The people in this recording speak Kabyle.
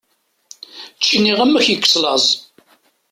Ečč iniɣman ad k-yekkes laẓ!